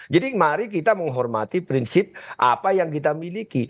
jadi mari kita menghormati prinsip apa yang kita miliki